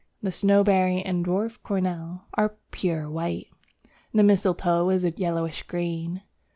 The Snowberry and Dwarf Cornel are pure white. The Mistletoe is a yellowish green.